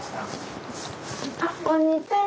あこんにちは。